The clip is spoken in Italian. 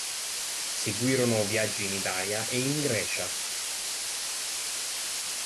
Seguirono viaggi in Italia e in Grecia.